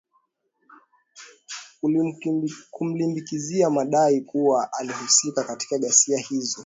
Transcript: kumlimbikizia madai kuwa alihusika katika ghasia hizo